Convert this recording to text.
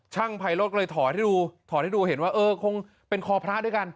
ไพโรธก็เลยถอดให้ดูถอดให้ดูเห็นว่าเออคงเป็นคอพระด้วยกัน